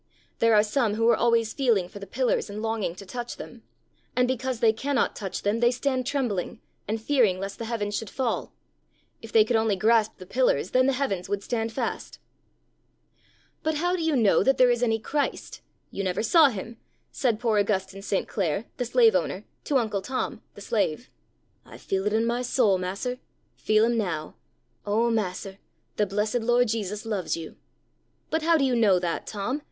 There are some who are always feeling for the pillars, and longing to touch them. And, because they cannot touch them, they stand trembling, and fearing lest the heavens should fall. If they could only grasp the pillars, then the heavens would stand fast.' '"But how do you know that there is any Christ? You never saw Him!" said poor Augustine St. Clare, the slave owner, to Uncle Tom, the slave. '"I feel it in my soul, mas'r feel Him now! Oh, mas'r, the blessed Lord Jesus loves you!" '"But how do you know that, Tom?"